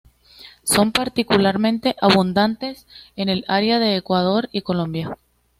Son particularmente abundantes en el área de Ecuador y Colombia.